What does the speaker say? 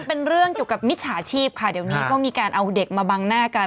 เป็นเรื่องเกี่ยวกับมิจฉาชีพค่ะเดี๋ยวนี้ก็มีการเอาเด็กมาบังหน้ากัน